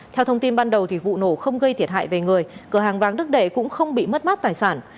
theo thông tin ban đầu vụ nổ không gây thiệt hại về người cửa hàng vàng đức đệ cũng không bị mất mát tài sản